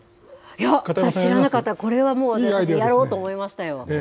いや、私知らなかった、これは私、やろうと思いましたよ。